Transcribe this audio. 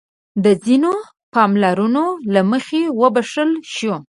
د ځينو پاملرنو له مخې وبښل شو.